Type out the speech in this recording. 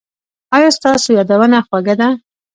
ایا ستاسو یادونه خوږه ده؟